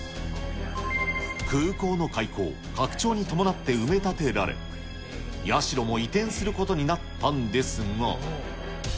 空港の開港、拡張に伴って埋め立てられ、社も移転することになったんですが。